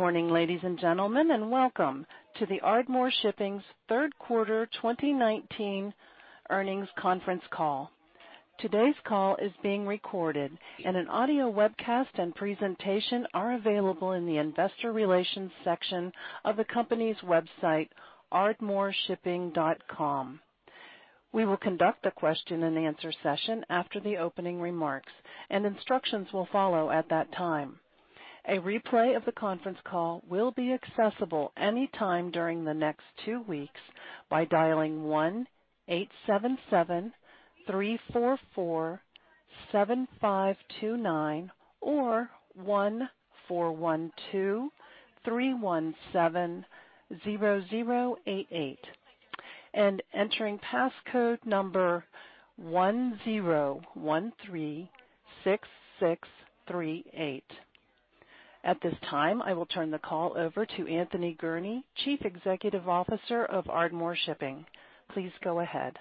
Good morning, ladies and gentlemen, and welcome to the Ardmore Shipping's Third Quarter 2019 Earnings Conference Call. Today's call is being recorded, and an audio webcast and presentation are available in the Investor Relations section of the company's website, ardmoreshipping.com. We will conduct a question and answer session after the opening remarks, and instructions will follow at that time. A replay of the conference call will be accessible anytime during the next two weeks by dialing 1-877-344-7529 or 1-412-317-0088, and entering passcode number 10136638. At this time, I will turn the call over to Anthony Gurnee, Chief Executive Officer of Ardmore Shipping. Please go ahead.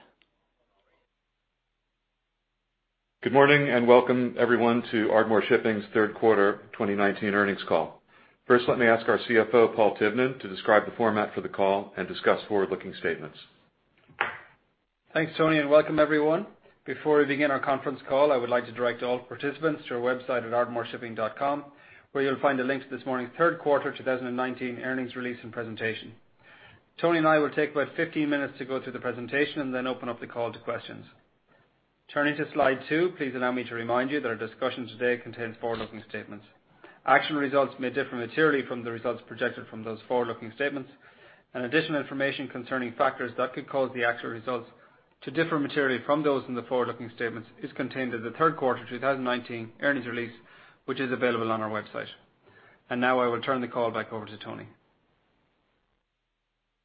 Good morning, and welcome everyone to Ardmore Shipping's Third Quarter 2019 Earnings Call. First, let me ask our CFO, Paul Tivnan, to describe the format for the call and discuss forward-looking statements. Thanks, Tony, and welcome everyone. Before we begin our conference call, I would like to direct all participants to our website at ardmoreshipping.com, where you'll find the link to this morning's Third Quarter 2019 Earnings Release and Presentation. Tony and I will take about 15 minutes to go through the presentation and then open up the call to questions. Turning to slide two, please allow me to remind you that our discussion today contains forward-looking statements. Actual results may differ materially from the results projected from those forward-looking statements, and additional information concerning factors that could cause the actual results to differ materially from those in the forward-looking statements is contained in the Third Quarter 2019 Earnings Release, which is available on our website. Now I will turn the call back over to Tony.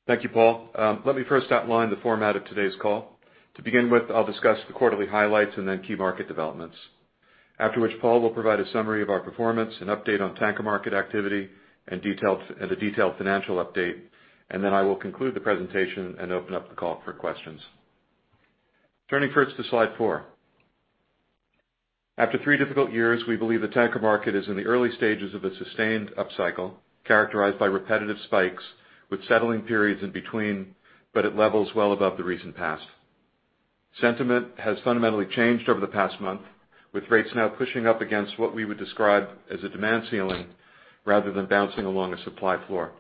Thank you, Paul. Let me first outline the format of today's call. To begin with, I'll discuss the quarterly highlights and then key market developments. After which, Paul will provide a summary of our performance, an update on tanker market activity, and details, and a detailed financial update. And then I will conclude the presentation and open up the call for questions. Turning first to slide four. After three difficult years, we believe the tanker market is in the early stages of a sustained upcycle, characterized by repetitive spikes with settling periods in between, but at levels well above the recent past. Sentiment has fundamentally changed over the past month, with rates now pushing up against what we would describe as a demand ceiling rather than bouncing along a supply floor.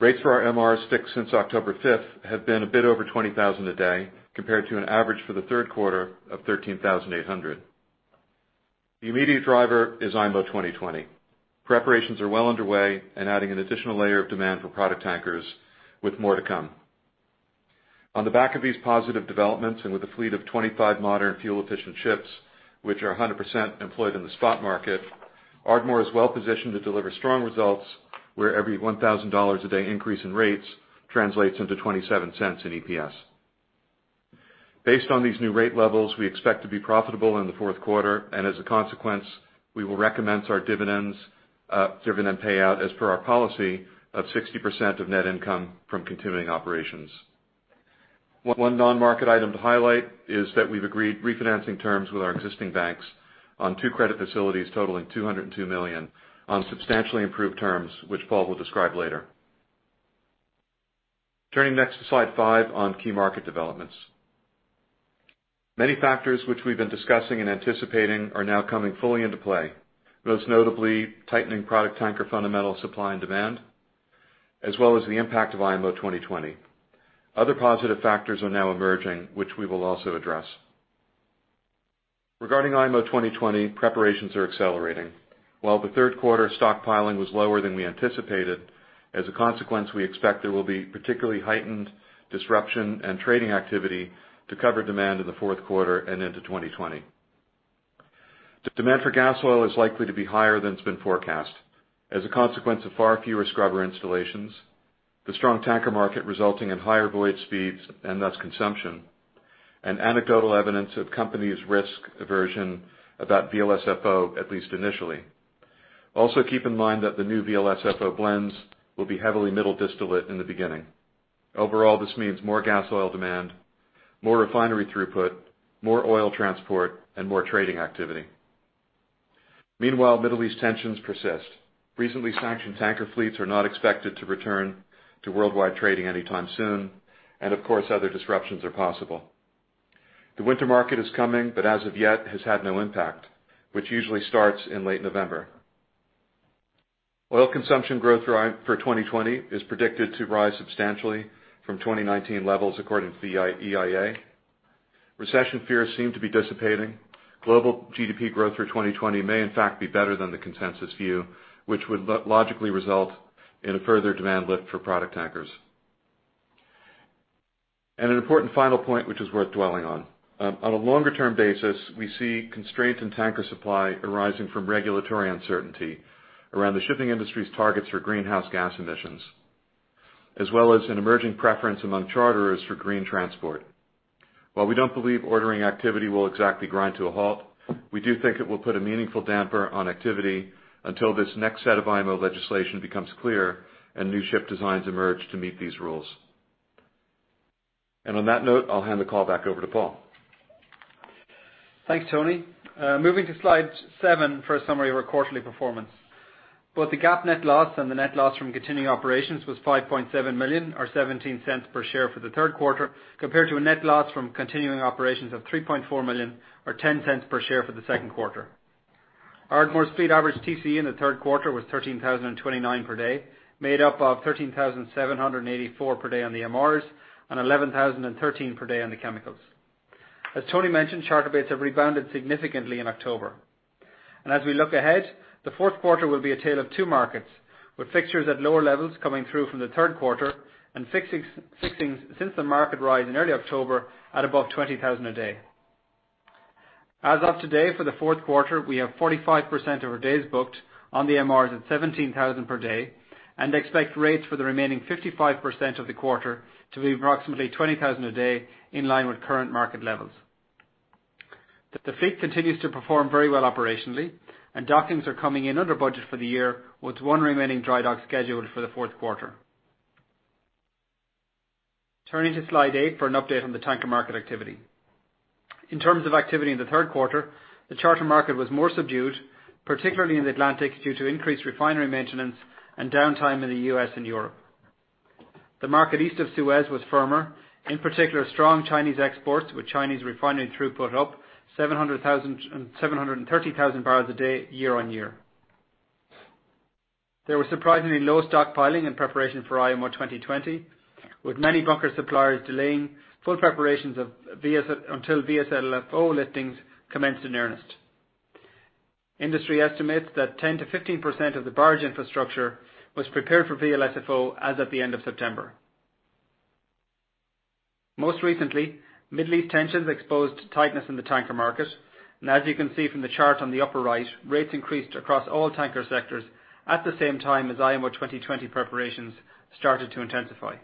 Rates for our MRs fixed since October 5th have been a bit over $20,000 a day, compared to an average for the third quarter of $13,800. The immediate driver is IMO 2020. Preparations are well underway and adding an additional layer of demand for product tankers, with more to come. On the back of these positive developments, and with a fleet of 25 modern, fuel-efficient ships, which are 100% employed in the spot market, Ardmore is well positioned to deliver strong results, where every $1,000 a day increase in rates translates into $0.27 in EPS. Based on these new rate levels, we expect to be profitable in the fourth quarter, and as a consequence, we will recommence our dividends, dividend payout, as per our policy of 60% of net income from continuing operations. One non-market item to highlight is that we've agreed refinancing terms with our existing banks on two credit facilities totaling $202 million on substantially improved terms, which Paul will describe later. Turning next to slide five on key market developments. Many factors which we've been discussing and anticipating are now coming fully into play, most notably tightening product tanker fundamental supply and demand, as well as the impact of IMO 2020. Other positive factors are now emerging, which we will also address. Regarding IMO 2020, preparations are accelerating. While the third quarter stockpiling was lower than we anticipated, as a consequence, we expect there will be particularly heightened disruption and trading activity to cover demand in the fourth quarter and into 2020. The demand for gas oil is likely to be higher than it's been forecast as a consequence of far fewer scrubber installations, the strong tanker market resulting in higher voyage speeds and thus consumption, and anecdotal evidence of companies' risk aversion about VLSFO, at least initially. Also, keep in mind that the new VLSFO blends will be heavily middle distillate in the beginning. Overall, this means more gas oil demand, more refinery throughput, more oil transport, and more trading activity. Meanwhile, Middle East tensions persist. Recently, sanctioned tanker fleets are not expected to return to worldwide trading anytime soon, and of course, other disruptions are possible. The winter market is coming, but as of yet, has had no impact, which usually starts in late November. Oil consumption growth for 2020 is predicted to rise substantially from 2019 levels, according to the IEA. Recession fears seem to be dissipating. Global GDP growth through 2020 may, in fact, be better than the consensus view, which would logically result in a further demand lift for product tankers. An important final point, which is worth dwelling on. On a longer-term basis, we see constraints in tanker supply arising from regulatory uncertainty around the shipping industry's targets for greenhouse gas emissions, as well as an emerging preference among charterers for green transport. While we don't believe ordering activity will exactly grind to a halt, we do think it will put a meaningful damper on activity until this next set of IMO legislation becomes clear and new ship designs emerge to meet these rules. On that note, I'll hand the call back over to Paul.... Thanks, Tony. Moving to slide seven for a summary of our quarterly performance. Both the GAAP net loss and the net loss from continuing operations was $5.7 million, or $0.17 per share for the third quarter, compared to a net loss from continuing operations of $3.4 million, or $0.10 per share for the second quarter. Ardmore's fleet average TCE in the third quarter was $13,029 per day, made up of $13,784 per day on the MRs and $11,013 per day on the chemicals. As Tony mentioned, charter rates have rebounded significantly in October. As we look ahead, the fourth quarter will be a tale of two markets, with fixtures at lower levels coming through from the third quarter and fixings since the market rise in early October at above $20,000 a day. As of today, for the fourth quarter, we have 45% of our days booked on the MRs at $17,000 per day, and expect rates for the remaining 55% of the quarter to be approximately $20,000 a day, in line with current market levels. The fleet continues to perform very well operationally, and dockings are coming in under budget for the year, with 1 remaining dry dock scheduled for the fourth quarter. Turning to slide eight for an update on the tanker market activity. In terms of activity in the third quarter, the charter market was more subdued, particularly in the Atlantic, due to increased refinery maintenance and downtime in the U.S. and Europe. The market East of Suez was firmer, in particular, strong Chinese exports, with Chinese refinery throughput up 700,000 and 730,000 barrels a day, YoY. There was surprisingly low stockpiling in preparation for IMO 2020, with many bunker suppliers delaying full preparations of VLSFO until VLSFO liftings commenced in earnest. Industry estimates that 10%-15% of the barge infrastructure was prepared for VLSFO as of the end of September. Most recently, Middle East tensions exposed tightness in the tanker market, and as you can see from the chart on the upper right, rates increased across all tanker sectors at the same time as IMO 2020 preparations started to intensify.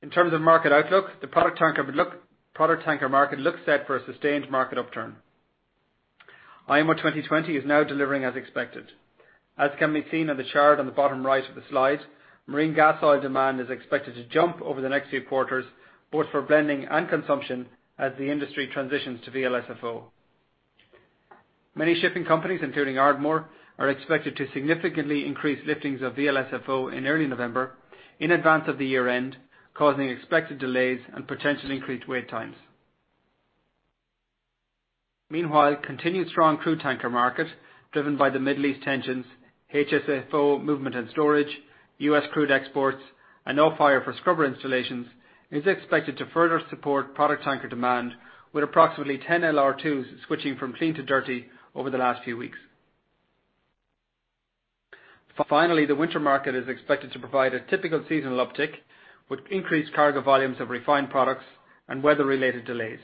In terms of market outlook, the product tanker market looks set for a sustained market upturn. IMO 2020 is now delivering as expected. As can be seen on the chart on the bottom right of the slide, marine gas oil demand is expected to jump over the next few quarters, both for blending and consumption, as the industry transitions to VLSFO. Many shipping companies, including Ardmore, are expected to significantly increase liftings of VLSFO in early November, in advance of the year-end, causing expected delays and potentially increased wait times. Meanwhile, continued strong crude tanker market, driven by the Middle East tensions, HSFO movement and storage, U.S. crude exports, and no buyer for scrubber installations, is expected to further support product tanker demand, with approximately 10 LR2s switching from clean to dirty over the last few weeks. Finally, the winter market is expected to provide a typical seasonal uptick, with increased cargo volumes of refined products and weather-related delays.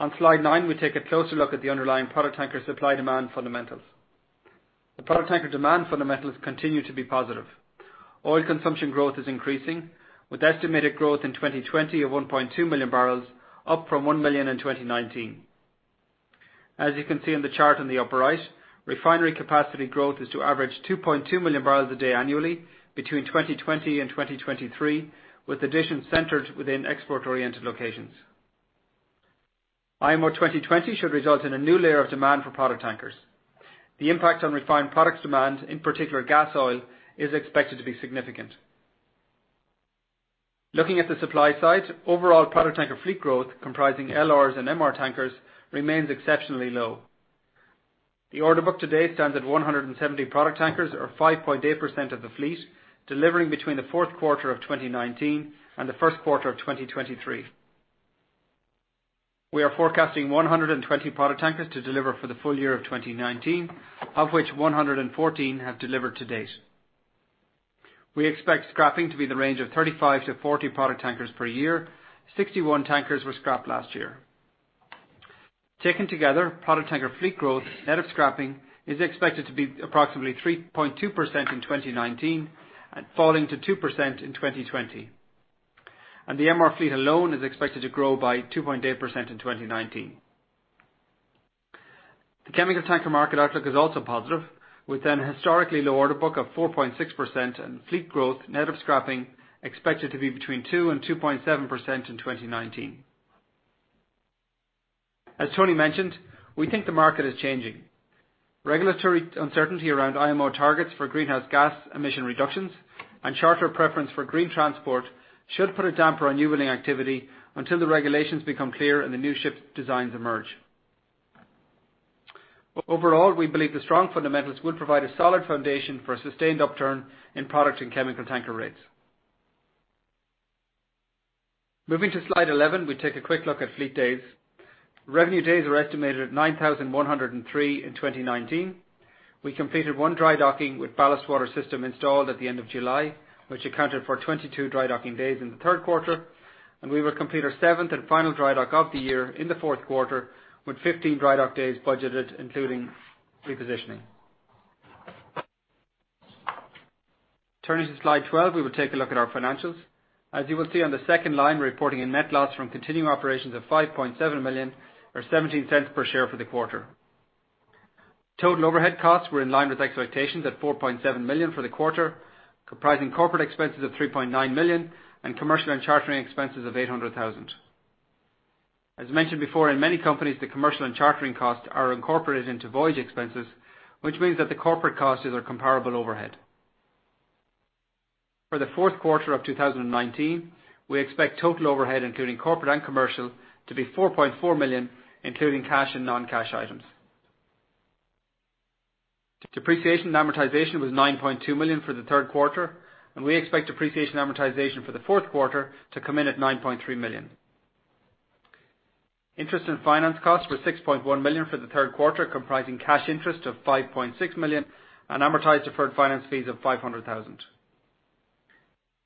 On slide nine, we take a closer look at the underlying product tanker supply-demand fundamentals. The product tanker demand fundamentals continue to be positive. Oil consumption growth is increasing, with estimated growth in 2020 of 1.2 million barrels, up from 1 million in 2019. As you can see on the chart on the upper right, refinery capacity growth is to average 2.2 million barrels a day annually between 2020 and 2023, with additions centered within export-oriented locations. IMO 2020 should result in a new layer of demand for product tankers. The impact on refined products demand, in particular gas oil, is expected to be significant. Looking at the supply side, overall product tanker fleet growth, comprising LRs and MR tankers, remains exceptionally low. The order book today stands at 170 product tankers, or 5.8% of the fleet, delivering between the fourth quarter of 2019 and the first quarter of 2023. We are forecasting 120 product tankers to deliver for the full year of 2019, of which 114 have delivered to date. We expect scrapping to be in the range of 35-40 product tankers per year. 61 tankers were scrapped last year. Taken together, product tanker fleet growth, net of scrapping, is expected to be approximately 3.2% in 2019 and falling to 2% in 2020. The MR fleet alone is expected to grow by 2.8% in 2019. The chemical tanker market outlook is also positive, with an historically low order book of 4.6% and fleet growth net of scrapping expected to be between 2% and 2.7% in 2019. As Tony mentioned, we think the market is changing. Regulatory uncertainty around IMO targets for greenhouse gas emission reductions and charter preference for green transport should put a damper on newbuilding activity until the regulations become clear and the new ship designs emerge. Overall, we believe the strong fundamentals will provide a solid foundation for a sustained upturn in product and chemical tanker rates. Moving to slide 11, we take a quick look at fleet days. Revenue days are estimated at 9,103 in 2019. We completed one dry docking with ballast water system installed at the end of July, which accounted for 22 dry docking days in the third quarter, and we will complete our seventh and final dry dock of the year in the fourth quarter, with 15 dry dock days budgeted, including repositioning. Turning to slide 12, we will take a look at our financials. As you will see on the second line, we're reporting a net loss from continuing operations of $5.7 million, or $0.17 per share for the quarter. Total overhead costs were in line with expectations at $4.7 million for the quarter, comprising corporate expenses of $3.9 million, and commercial and chartering expenses of $800,000. As mentioned before, in many companies, the commercial and chartering costs are incorporated into voyage expenses, which means that the corporate costs are comparable overhead. For the fourth quarter of 2019, we expect total overhead, including corporate and commercial, to be $4.4 million, including cash and non-cash items. Depreciation and amortization was $9.2 million for the third quarter, and we expect depreciation and amortization for the fourth quarter to come in at $9.3 million. Interest and finance costs were $6.1 million for the third quarter, comprising cash interest of $5.6 million and amortized deferred finance fees of $500,000.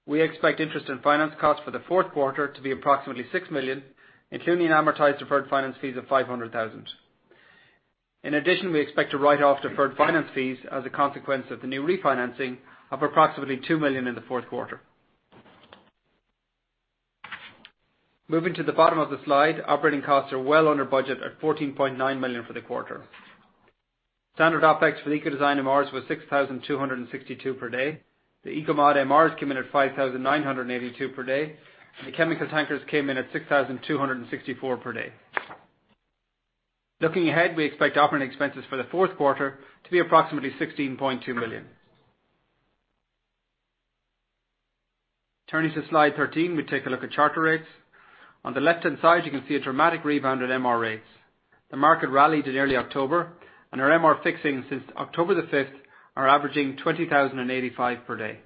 We expect interest and finance costs for the fourth quarter to be approximately $6 million, including amortized deferred finance fees of $500,000. In addition, we expect to write off deferred finance fees as a consequence of the new refinancing of approximately $2 million in the fourth quarter. Moving to the bottom of the slide, operating costs are well under budget at $14.9 million for the quarter. Standard OpEx for the Eco-design MRs was $6,262 per day. The Eco-mod MRs came in at $5,982 per day, and the chemical tankers came in at $6,264 per day. Looking ahead, we expect operating expenses for the fourth quarter to be approximately $16.2 million. Turning to slide 13, we take a look at charter rates. On the left-hand side, you can see a dramatic rebound in MR rates. The market rallied in early October, and our MR fixings since October 5th are averaging $20,085 per day.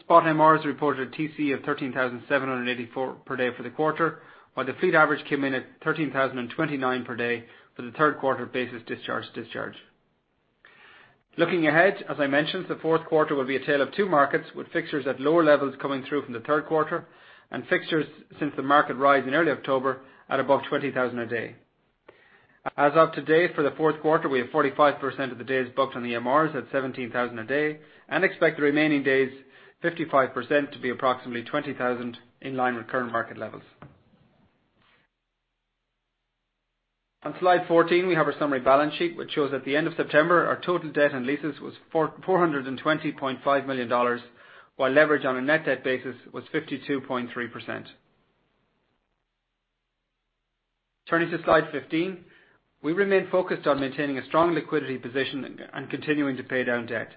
Spot MRs reported a TC of $13,784 per day for the quarter, while the fleet average came in at $13,029 per day for the third quarter basis discharge. Looking ahead, as I mentioned, the fourth quarter will be a tale of two markets, with fixtures at lower levels coming through from the third quarter, and fixtures since the market rise in early October at above $20,000 a day. As of today, for the fourth quarter, we have 45% of the days booked on the MRs at $17,000 a day and expect the remaining days, 55%, to be approximately $20,000 in line with current market levels. On slide 14, we have our summary balance sheet, which shows at the end of September, our total debt and leases was $442.5 million, while leverage on a net debt basis was 52.3%. Turning to slide 15, we remain focused on maintaining a strong liquidity position and continuing to pay down debt.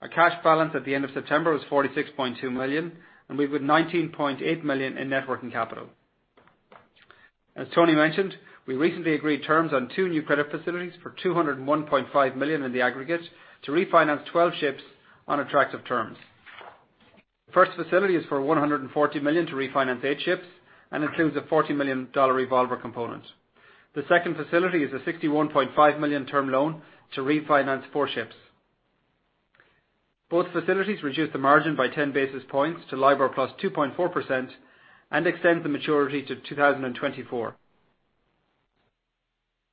Our cash balance at the end of September was $46.2 million, and we've got $19.8 million in net working capital. As Tony mentioned, we recently agreed terms on two new credit facilities for $201.5 million in the aggregate to refinance 12 ships on attractive terms. First facility is for $140 million to refinance eight ships and includes a $40 million dollar revolver component. The second facility is a $61.5 million term loan to refinance four ships. Both facilities reduced the margin by 10 basis points to LIBOR + 2.4% and extends the maturity to 2024.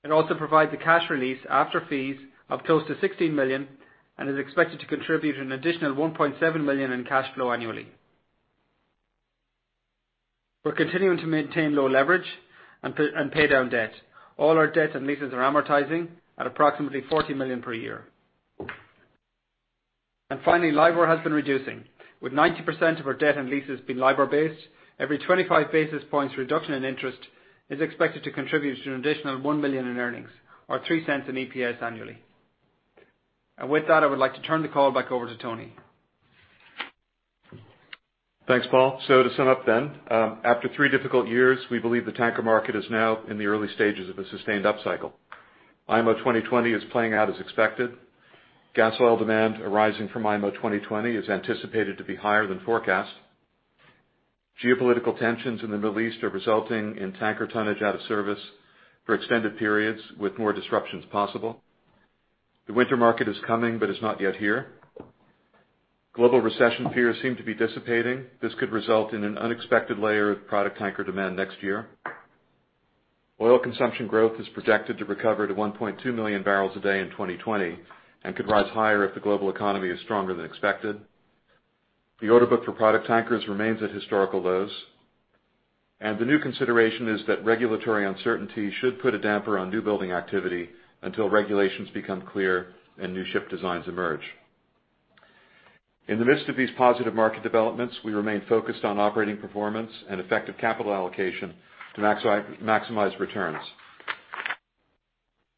It also provides a cash release after fees of close to $16 million and is expected to contribute an additional $1.7 million in cash flow annually. We're continuing to maintain low leverage and pay down debt. All our debt and leases are amortizing at approximately $40 million per year. And finally, LIBOR has been reducing, with 90% of our debt and leases being LIBOR-based, every 25 basis points reduction in interest is expected to contribute to an additional $1 million in earnings, or $0.03 in EPS annually. And with that, I would like to turn the call back over to Tony. Thanks, Paul. So to sum up then, after three difficult years, we believe the tanker market is now in the early stages of a sustained upcycle. IMO 2020 is playing out as expected. Gas oil demand arising from IMO 2020 is anticipated to be higher than forecast. Geopolitical tensions in the Middle East are resulting in tanker tonnage out of service for extended periods, with more disruptions possible. The winter market is coming, but is not yet here. Global recession fears seem to be dissipating. This could result in an unexpected layer of product tanker demand next year. Oil consumption growth is projected to recover to 1.2 million barrels a day in 2020 and could rise higher if the global economy is stronger than expected. The order book for product tankers remains at historical lows, and the new consideration is that regulatory uncertainty should put a damper on new building activity until regulations become clear and new ship designs emerge. In the midst of these positive market developments, we remain focused on operating performance and effective capital allocation to maximize returns.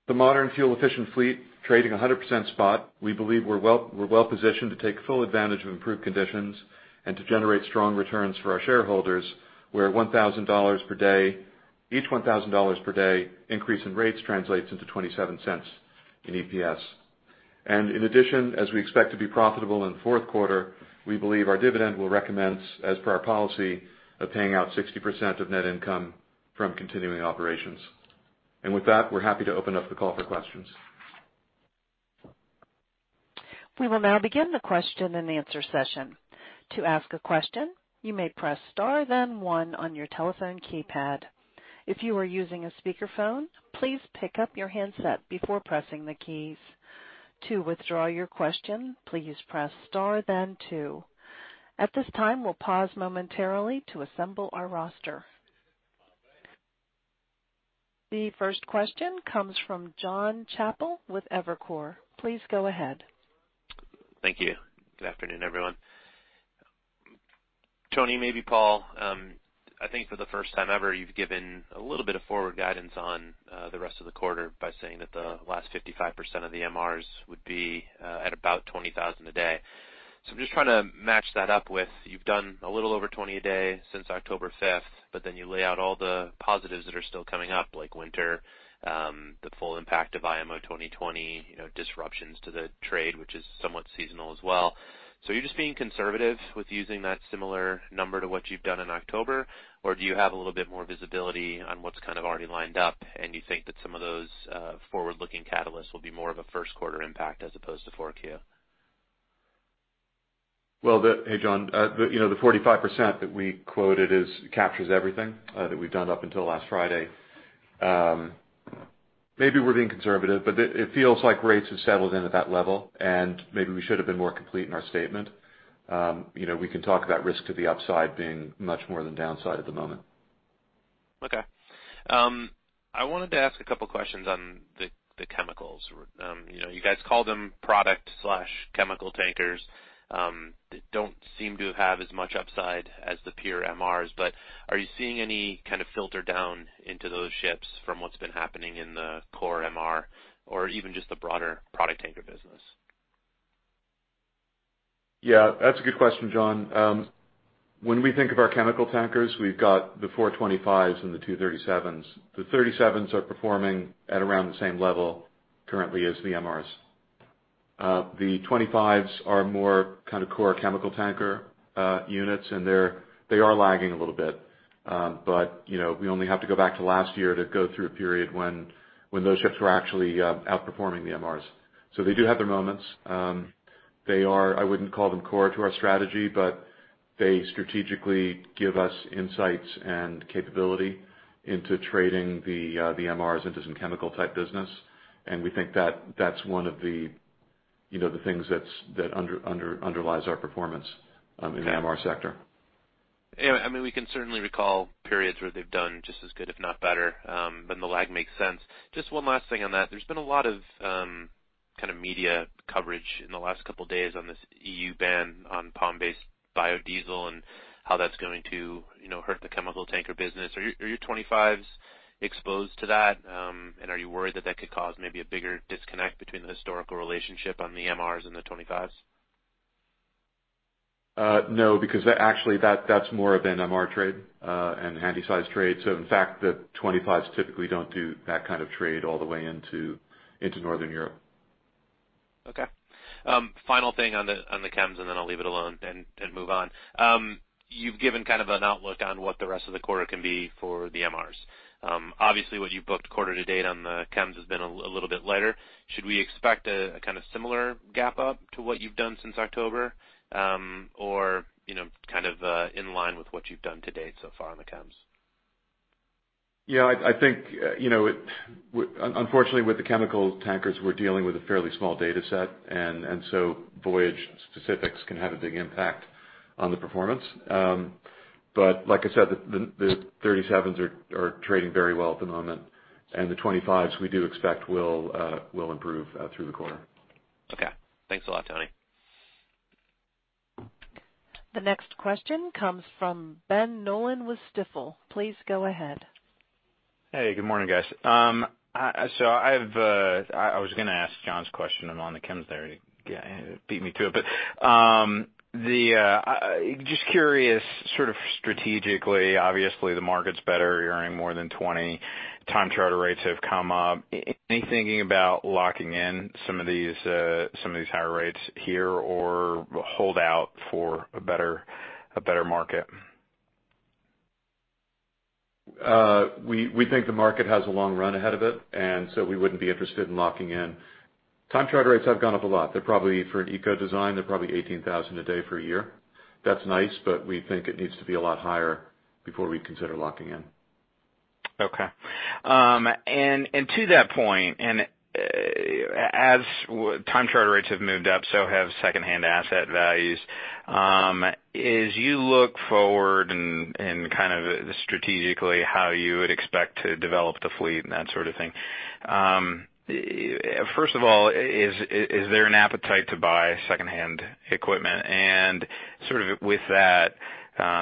With a modern, fuel-efficient fleet, trading 100% spot, we believe we're well-positioned to take full advantage of improved conditions and to generate strong returns for our shareholders, where $1,000 per day, each $1,000 per day increase in rates translates into $0.27 in EPS. And in addition, as we expect to be profitable in the fourth quarter, we believe our dividend will recommence as per our policy of paying out 60% of net income from continuing operations. With that, we're happy to open up the call for questions. We will now begin the question and answer session. To ask a question, you may press star, then one on your telephone keypad. If you are using a speakerphone, please pick up your handset before pressing the keys.... To withdraw your question, please press star then two. At this time, we'll pause momentarily to assemble our roster. The first question comes from John Chappell with Evercore. Please go ahead. Thank you. Good afternoon, everyone. Tony, maybe Paul, I think for the first time ever, you've given a little bit of forward guidance on, the rest of the quarter by saying that the last 55% of the MRs would be, at about $20,000 a day. So I'm just trying to match that up with, you've done a little over $20,000 a day since October fifth, but then you lay out all the positives that are still coming up, like winter, the full impact of IMO 2020, you know, disruptions to the trade, which is somewhat seasonal as well. So are you just being conservative with using that similar number to what you've done in October? Or do you have a little bit more visibility on what's kind of already lined up, and you think that some of those forward-looking catalysts will be more of a first quarter impact as opposed to 4Q? Well, hey, John, you know, the 45% that we quoted captures everything that we've done up until last Friday. Maybe we're being conservative, but it feels like rates have settled in at that level, and maybe we should have been more complete in our statement. You know, we can talk about risk to the upside being much more than downside at the moment. Okay. I wanted to ask a couple questions on the, the chemicals. You know, you guys call them product/chemical tankers. They don't seem to have as much upside as the pure MRs, but are you seeing any kind of filter down into those ships from what's been happening in the core MR or even just the broader product tanker business? Yeah, that's a good question, John. When we think of our chemical tankers, we've got the four 25s and the two 37s. The 37s are performing at around the same level currently as the MRs. The 25s are more kind of core chemical tanker units, and they are lagging a little bit. But, you know, we only have to go back to last year to go through a period when those ships were actually outperforming the MRs. So they do have their moments. They are... I wouldn't call them core to our strategy, but they strategically give us insights and capability into trading the MRs into some chemical-type business. And we think that, that's one of the, you know, the things that's that underlies our performance in the MR sector. Yeah, I mean, we can certainly recall periods where they've done just as good, if not better, but the lag makes sense. Just one last thing on that. There's been a lot of kind of media coverage in the last couple of days on this EU ban on palm-based biodiesel and how that's going to, you know, hurt the chemical tanker business. Are your, are your 25s exposed to that, and are you worried that that could cause maybe a bigger disconnect between the historical relationship on the MRs and the 25s? No, because actually, that's more of an MR trade and a Handysize trade. So in fact, the 25s typically don't do that kind of trade all the way into Northern Europe. Okay. Final thing on the, on the chems, and then I'll leave it alone and move on. You've given kind of an outlook on what the rest of the quarter can be for the MRs. Obviously, what you've booked quarter to date on the chems has been a little bit lighter. Should we expect a kind of similar gap up to what you've done since October, or, you know, kind of in line with what you've done to date so far on the chems? Yeah, I think, you know, unfortunately, with the chemical tankers, we're dealing with a fairly small data set, and so voyage specifics can have a big impact on the performance. But like I said, the 37s are trading very well at the moment, and the 25s we do expect will improve through the quarter. Okay. Thanks a lot, Tony. The next question comes from Ben Nolan with Stifel. Please go ahead. Hey, good morning, guys. So I've, I was gonna ask John's question on the chems there. He beat me to it. But just curious, sort of strategically, obviously, the market's better, you're earning more than 20. Time charter rates have come up. Any thinking about locking in some of these, some of these higher rates here or hold out for a better, a better market? We think the market has a long run ahead of it, and so we wouldn't be interested in locking in. Time charter rates have gone up a lot. They're probably, for an eco-design, $18,000 a day for a year. That's nice, but we think it needs to be a lot higher before we consider locking in. Okay. To that point, as time charter rates have moved up, so have secondhand asset values. As you look forward and kind of strategically, how you would expect to develop the fleet and that sort of thing, first of all, is there an appetite to buy secondhand equipment? Sort of with that,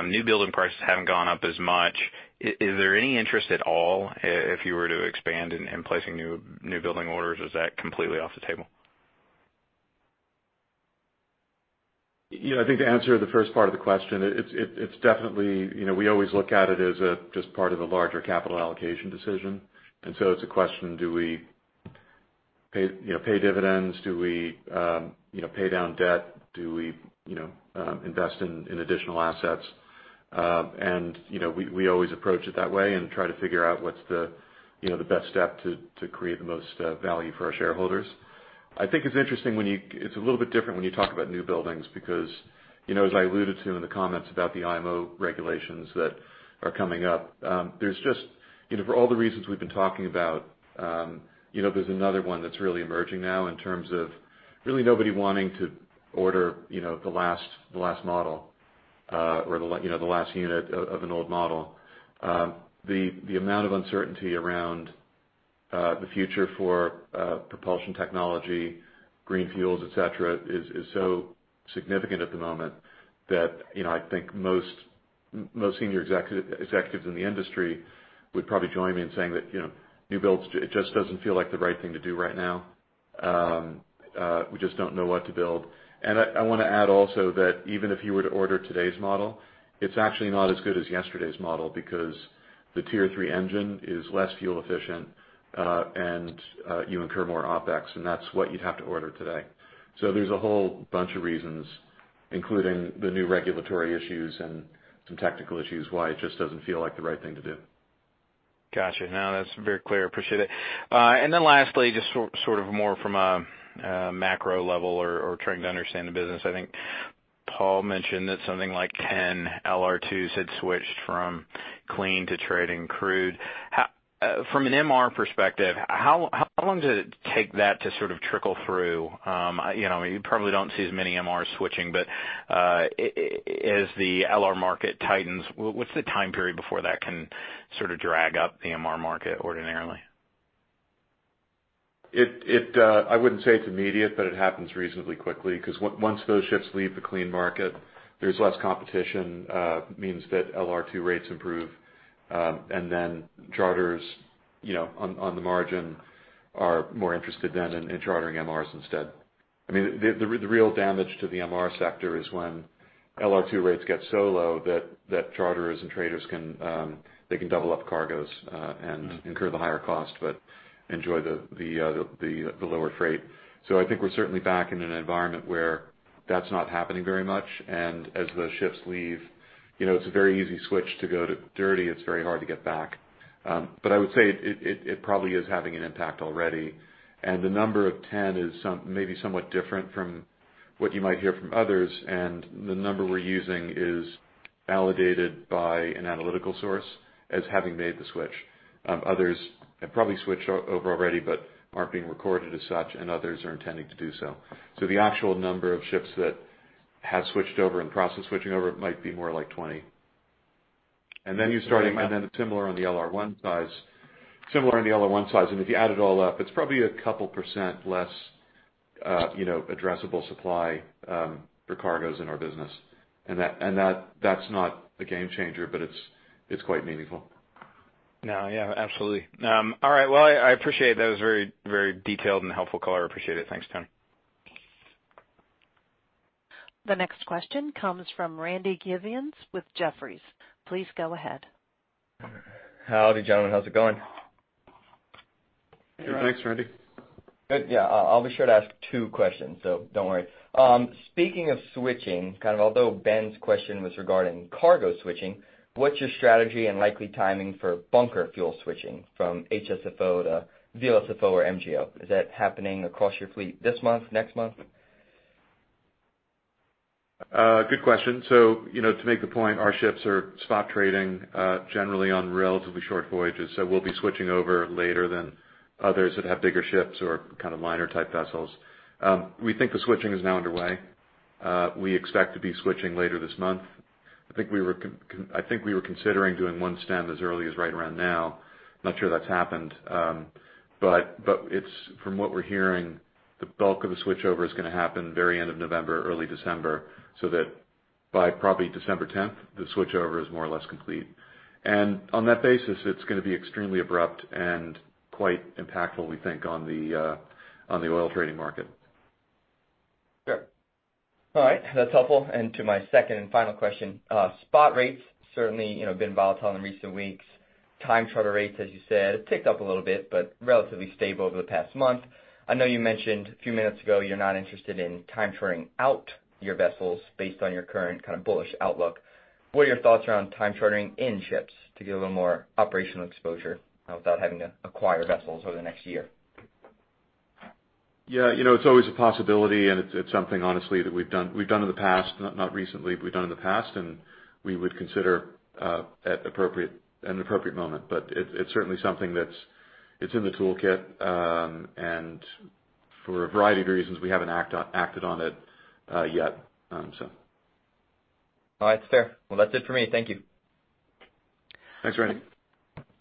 new building prices haven't gone up as much. Is there any interest at all if you were to expand in placing new building orders, or is that completely off the table? Yeah, I think to answer the first part of the question, it's definitely, you know, we always look at it as just part of a larger capital allocation decision. And so it's a question, do we pay, you know, pay dividends? Do we, you know, pay down debt? Do we, you know, invest in additional assets? And, you know, we always approach it that way and try to figure out what's the, you know, the best step to create the most value for our shareholders. I think it's interesting when you—it's a little bit different when you talk about new buildings, because, you know, as I alluded to in the comments about the IMO regulations that are coming up, there's just, you know, for all the reasons we've been talking about, you know, there's another one that's really emerging now in terms of really nobody wanting to order, you know, the last model... or you know, the last unit of an old model. The amount of uncertainty around the future for propulsion technology, green fuels, et cetera, is so significant at the moment that, you know, I think most senior executives in the industry would probably join me in saying that, you know, new builds, it just doesn't feel like the right thing to do right now. We just don't know what to build. And I wanna add also that even if you were to order today's model, it's actually not as good as yesterday's model because the Tier III engine is less fuel efficient, and you incur more OpEx, and that's what you'd have to order today. So there's a whole bunch of reasons, including the new regulatory issues and some technical issues, why it just doesn't feel like the right thing to do. Gotcha. No, that's very clear. Appreciate it. And then lastly, just sort of more from a macro level or trying to understand the business. I think Paul mentioned that something like 10 LR2s had switched from clean to trading crude. From an MR perspective, how long does it take that to sort of trickle through? You know, you probably don't see as many MRs switching, but as the LR market tightens, what's the time period before that can sort of drag up the MR market ordinarily? I wouldn't say it's immediate, but it happens reasonably quickly because once those ships leave the clean market, there's less competition, means that LR2 rates improve, and then charters, you know, on the margin, are more interested then in chartering MRs instead. I mean, the real damage to the MR sector is when LR2 rates get so low that charters and traders can, they can double up cargoes, and- Mm-hmm. incur the higher cost, but enjoy the lower freight. So I think we're certainly back in an environment where that's not happening very much, and as the ships leave, you know, it's a very easy switch to go to dirty. It's very hard to get back. But I would say it probably is having an impact already, and the number of 10 is maybe somewhat different from what you might hear from others, and the number we're using is validated by an analytical source as having made the switch. Others have probably switched over already, but aren't being recorded as such, and others are intending to do so. So the actual number of ships that have switched over in the process of switching over might be more like 20. And then you're starting... And then similar on the LR1 size, similar on the LR1 size, and if you add it all up, it's probably a couple% less, you know, addressable supply for cargoes in our business. And that, and that, that's not a game changer, but it's, it's quite meaningful. No, yeah, absolutely. All right, well, I appreciate it. That was very, very detailed and helpful call. I appreciate it. Thanks, Tony. The next question comes from Randy Giveans with Jefferies. Please go ahead. Howdy, gentlemen. How's it going? Good. Thanks, Randy. Good. Yeah, I'll be sure to ask two questions, so don't worry. Speaking of switching, kind of although Ben's question was regarding cargo switching, what's your strategy and likely timing for bunker fuel switching from HSFO to VLSFO or MGO? Is that happening across your fleet this month, next month? Good question. So, you know, to make the point, our ships are spot trading, generally on relatively short voyages, so we'll be switching over later than others that have bigger ships or kind of MR type vessels. We think the switching is now underway. We expect to be switching later this month. I think we were considering doing one stem as early as right around now. Not sure that's happened, but it's from what we're hearing, the bulk of the switchover is gonna happen very end of November or early December, so that by probably December tenth, the switchover is more or less complete. And on that basis, it's gonna be extremely abrupt and quite impactful, we think, on the oil trading market. Sure. All right, that's helpful. To my second and final question, spot rates certainly, you know, been volatile in recent weeks. Time charter rates, as you said, ticked up a little bit, but relatively stable over the past month. I know you mentioned a few minutes ago, you're not interested in time chartering out your vessels based on your current kind of bullish outlook. What are your thoughts around time chartering in ships to give a little more operational exposure without having to acquire vessels over the next year? Yeah, you know, it's always a possibility, and it's, it's something, honestly, that we've done, we've done in the past, not, not recently, but we've done in the past, and we would consider an appropriate moment. But it, it's certainly something that's, it's in the toolkit, and for a variety of reasons, we haven't acted on it yet. All right, fair. Well, that's it for me. Thank you. Thanks, Randy.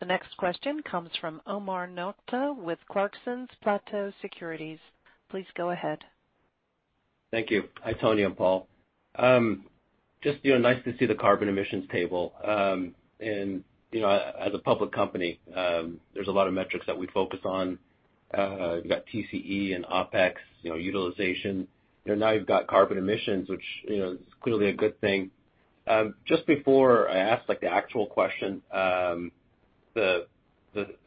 The next question comes from Omar Nokta with Clarksons Platou Securities. Please go ahead. Thank you. Hi, Tony and Paul. Just, you know, nice to see the carbon emissions table. And, you know, as a public company, there's a lot of metrics that we focus on. You've got TCE and OpEx, you know, utilization. You know, now you've got carbon emissions, which is clearly a good thing. Just before I ask, like, the actual question, I'm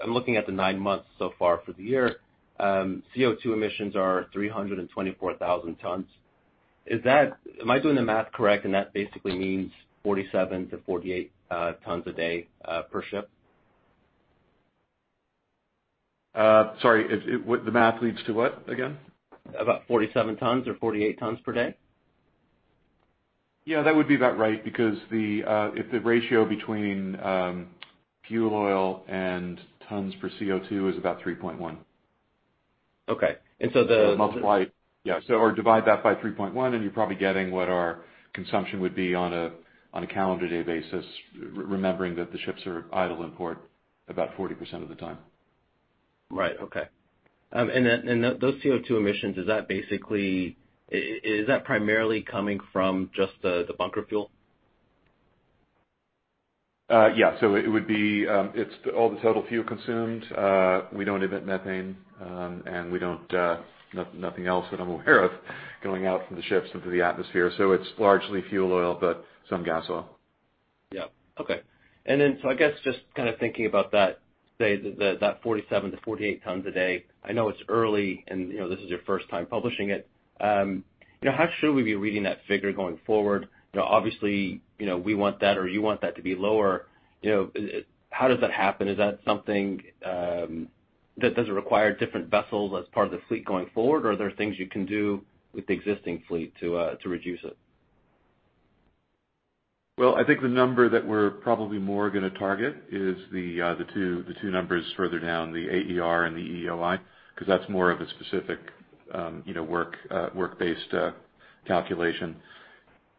looking at the nine months so far for the year. CO2 emissions are 324,000 tons. Is that, am I doing the math correct, and that basically means 47-48 tons a day per ship? Sorry, is it what the math leads to what, again? About 47 tons or 48 tons per day. Yeah, that would be about right, because if the ratio between fuel oil and tons per CO2 is about 3.1.... Okay, and so the- Multiply, yeah, so or divide that by 3.1, and you're probably getting what our consumption would be on a calendar day basis, remembering that the ships are idle in port about 40% of the time. Right. Okay. And then, and those CO2 emissions, is that basically, is that primarily coming from just the, the bunker fuel? Yeah. So it would be. It's all the total fuel consumed. We don't emit methane, and we don't. Nothing else that I'm aware of going out from the ships into the atmosphere, so it's largely fuel oil, but some gas oil. Yeah. Okay. And then, so I guess just kind of thinking about that, say, that 47-48 tons a day, I know it's early and, you know, this is your first time publishing it. You know, how should we be reading that figure going forward? You know, obviously, you know, we want that, or you want that to be lower. You know, how does that happen? Is that something, that does it require different vessels as part of the fleet going forward, or are there things you can do with the existing fleet to, to reduce it? Well, I think the number that we're probably more gonna target is the two numbers further down, the AER and the EEOI, because that's more of a specific, you know, work-based calculation.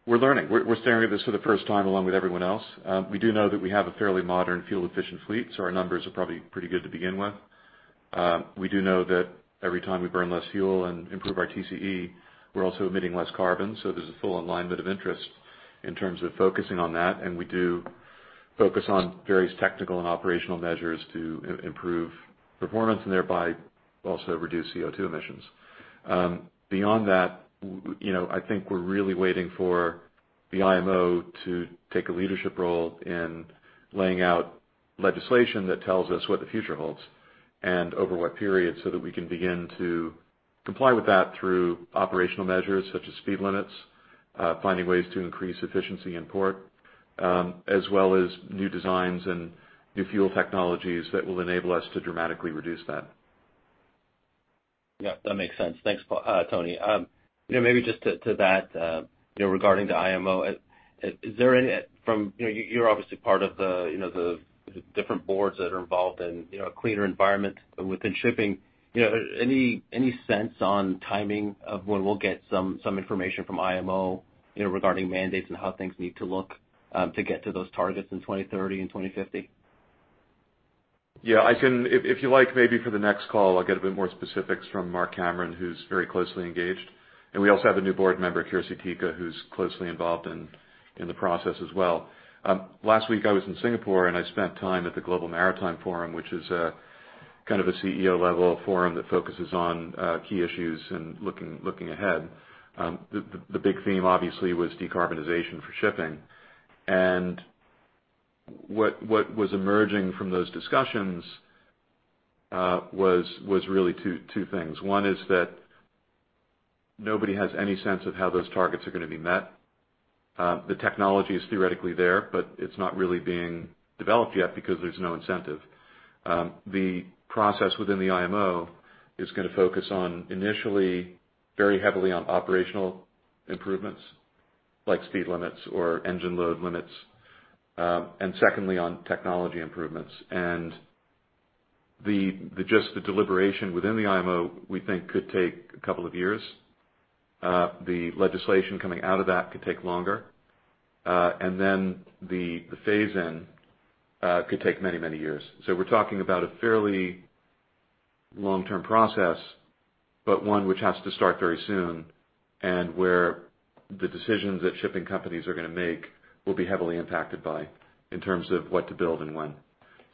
We're learning. We're staring at this for the first time, along with everyone else. We do know that we have a fairly modern, fuel-efficient fleet, so our numbers are probably pretty good to begin with. We do know that every time we burn less fuel and improve our TCE, we're also emitting less carbon, so there's a full alignment of interest in terms of focusing on that, and we do focus on various technical and operational measures to improve performance, and thereby also reduce CO2 emissions. Beyond that, you know, I think we're really waiting for the IMO to take a leadership role in laying out legislation that tells us what the future holds and over what period, so that we can begin to comply with that through operational measures such as speed limits, finding ways to increase efficiency in port, as well as new designs and new fuel technologies that will enable us to dramatically reduce that. Yeah, that makes sense. Thanks, Tony. You know, maybe just to that, you know, regarding the IMO, is there any. You know, you're obviously part of the different boards that are involved in a cleaner environment within shipping. You know, any sense on timing of when we'll get some information from IMO, you know, regarding mandates and how things need to look to get to those targets in 2030 and 2050? Yeah, I can. If you like, maybe for the next call, I'll get a bit more specifics from Mark Cameron, who's very closely engaged. We also have a new board member, Kirsi Tikka, who's closely involved in the process as well. Last week, I was in Singapore, and I spent time at the Global Maritime Forum, which is a kind of a CEO-level forum that focuses on key issues and looking ahead. The big theme, obviously, was decarbonization for shipping. What was emerging from those discussions was really two things. One is that nobody has any sense of how those targets are going to be met. The technology is theoretically there, but it's not really being developed yet because there's no incentive. The process within the IMO is going to focus on, initially, very heavily on operational improvements, like speed limits or engine load limits, and secondly, on technology improvements. And the deliberation within the IMO, we think could take a couple of years. The legislation coming out of that could take longer. And then the phase-in could take many, many years. So we're talking about a fairly long-term process, but one which has to start very soon and where the decisions that shipping companies are going to make will be heavily impacted by in terms of what to build and when.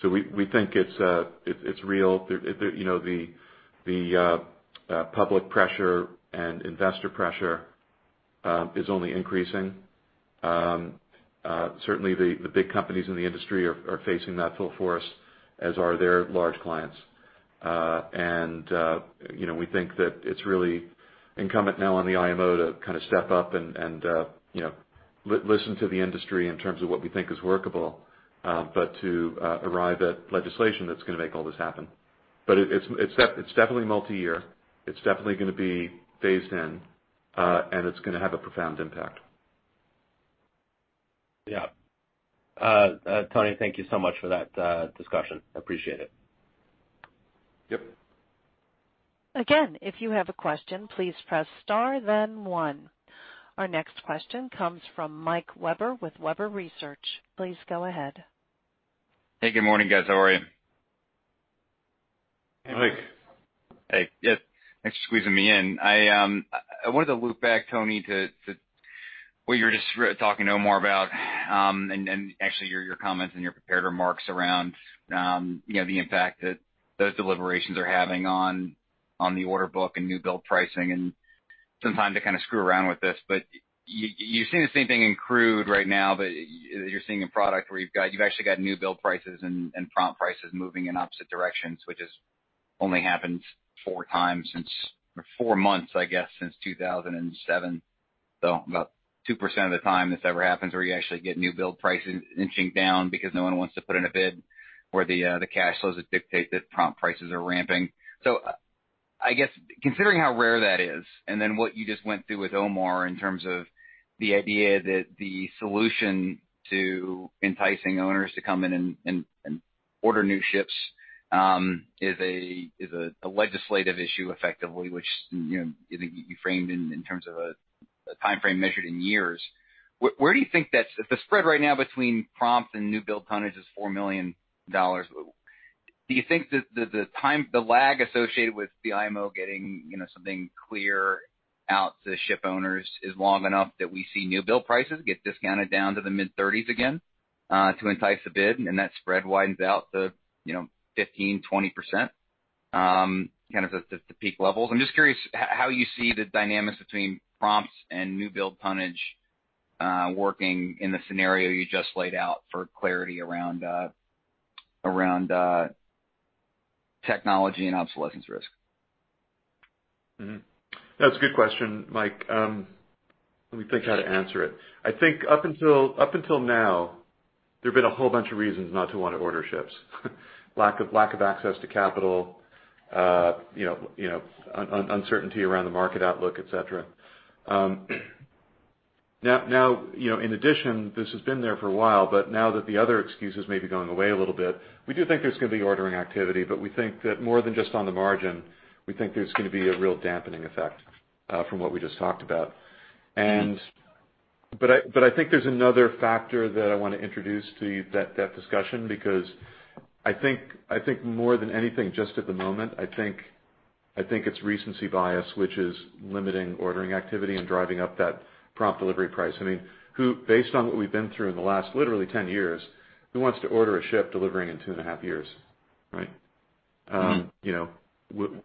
So we think it's real. The, you know, the public pressure and investor pressure is only increasing. Certainly, the big companies in the industry are facing that full force, as are their large clients. And, you know, we think that it's really incumbent now on the IMO to kind of step up and, you know, listen to the industry in terms of what we think is workable, but to arrive at legislation that's going to make all this happen. But it's definitely multiyear. It's definitely going to be phased in, and it's going to have a profound impact. Yeah. Tony, thank you so much for that discussion. I appreciate it. Yep. Again, if you have a question, please press star then one. Our next question comes from Michael Webber with Webber Research. Please go ahead. Hey, good morning, guys. How are you? Hey, Mike. Hey, yeah, thanks for squeezing me in. I wanted to loop back, Tony, to what you were just talking more about, and actually your comments and your prepared remarks around, you know, the impact that those deliberations are having on the order book and new build pricing, and some time to kind of screw around with this. But you've seen the same thing in crude right now, but you're seeing a product where you've got you've actually got new build prices and prompt prices moving in opposite directions, which has only happened four times since, or four months, I guess, since 2007. So about 2% of the time this ever happens, where you actually get new build prices inching down because no one wants to put in a bid where the cash flows that dictate that prompt prices are ramping. So I guess, considering how rare that is, and then what you just went through with Omar in terms of the idea that the solution to enticing owners to come in and order new ships is a legislative issue effectively, which, you know, I think you framed in terms of a timeframe measured in years. Where do you think that is, if the spread right now between prompt and new build tonnage is $4 million, do you think that the time lag associated with the IMO getting, you know, something clear out to ship owners is long enough that we see new build prices get discounted down to the mid thirties again to entice a bid, and that spread widens out to, you know, 15%-20%, kind of at the peak levels? I'm just curious how you see the dynamics between prompt and new build tonnage working in the scenario you just laid out for clarity around technology and obsolescence risk. Mm-hmm. That's a good question, Mike. Let me think how to answer it. I think up until now, there have been a whole bunch of reasons not to want to order ships. Lack of access to capital, you know, uncertainty around the market outlook, et cetera. Now, you know, in addition, this has been there for a while, but now that the other excuses may be going away a little bit, we do think there's gonna be ordering activity, but we think that more than just on the margin, we think there's gonna be a real dampening effect from what we just talked about. And... But I think there's another factor that I want to introduce to that discussion, because I think more than anything, just at the moment, I think it's recency bias, which is limiting ordering activity and driving up that prompt delivery price. I mean, who, based on what we've been through in the last literally 10 years, who wants to order a ship delivering in 2.5 years, right? Mm-hmm. You know,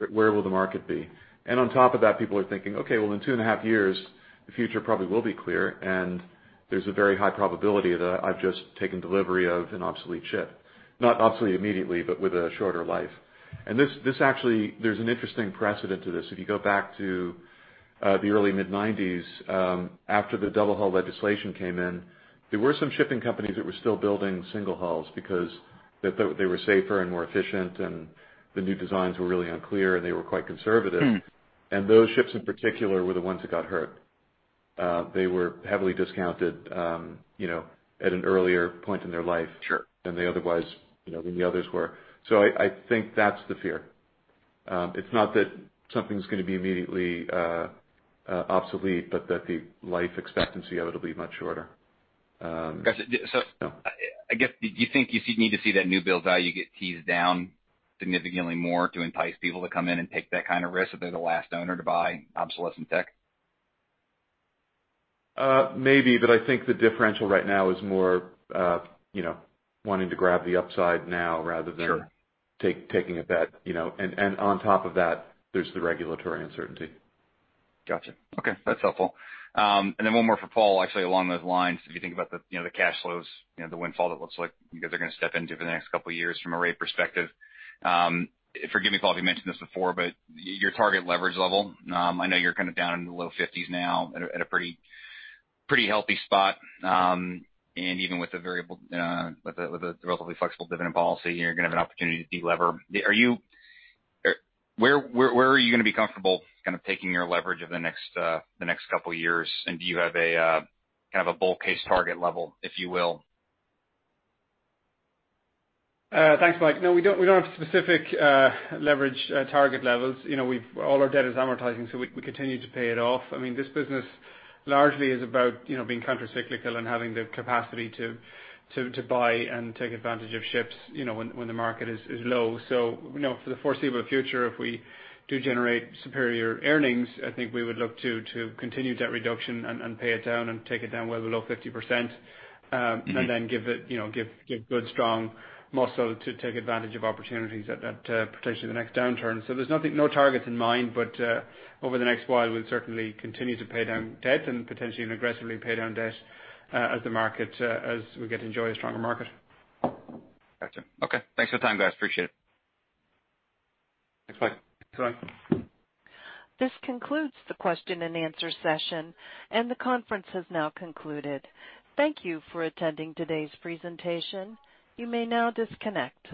where will the market be? And on top of that, people are thinking, "Okay, well, in 2.5 years, the future probably will be clear, and there's a very high probability that I've just taken delivery of an obsolete ship." Not obsolete immediately, but with a shorter life. And this, this actually, there's an interesting precedent to this. If you go back to the early to mid-1990s, after the double hull legislation came in, there were some shipping companies that were still building single hulls because they were safer and more efficient, and the new designs were really unclear, and they were quite conservative. Hmm. Those ships, in particular, were the ones that got hurt. They were heavily discounted, you know, at an earlier point in their life- Sure. -than they otherwise, you know, than the others were. So I think that's the fear. It's not that something's gonna be immediately obsolete, but that the life expectancy of it will be much shorter. So. Gotcha. So I guess, do you think you need to see that new build value get teased down significantly more to entice people to come in and take that kind of risk if they're the last owner to buy obsolescent tech? Maybe, but I think the differential right now is more, you know, wanting to grab the upside now rather than- Sure taking a bet, you know, and, and on top of that, there's the regulatory uncertainty. Gotcha. Okay, that's helpful. And then one more for Paul, actually, along those lines. If you think about the, you know, the cash flows, you know, the windfall that looks like you guys are gonna step into for the next couple of years from a rate perspective. Forgive me, Paul, if you mentioned this before, but your target leverage level, I know you're kind of down in the low fifties now at a pretty healthy spot, and even with the variable, with a relatively flexible dividend policy, you're gonna have an opportunity to delever. Are you... Where are you gonna be comfortable kind of taking your leverage over the next couple of years? And do you have a kind of a bull case target level, if you will? Thanks, Mike. No, we don't, we don't have specific leverage target levels. You know, we've all our debt is amortizing, so we continue to pay it off. I mean, this business largely is about, you know, being countercyclical and having the capacity to buy and take advantage of ships, you know, when the market is low. So, you know, for the foreseeable future, if we do generate superior earnings, I think we would look to continue debt reduction and pay it down and take it down well below 50%. Mm-hmm. And then give it, you know, give good, strong muscle to take advantage of opportunities at that, potentially the next downturn. So there's nothing, no targets in mind, but over the next while, we'll certainly continue to pay down debt and potentially and aggressively pay down debt, as the market, as we get to enjoy a stronger market. Gotcha. Okay. Thanks for the time, guys. Appreciate it. Thanks, Mike. Thanks, Mike. This concludes the question and answer session, and the conference has now concluded. Thank you for attending today's presentation. You may now disconnect.